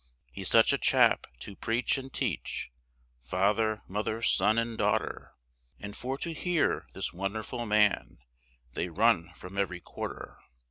He's such a chap to preach and teach, Father, mother, son, and daughter, And for to hear this wonderful man They run from every quarter.